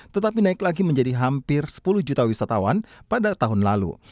tetapi naik lagi menjadi hampir sepuluh juta wisatawan pada tahun lalu